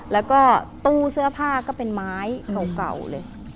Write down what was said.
แล้วก็ตู้เสื้อผ้าก็เป็นไม้เก่าเลย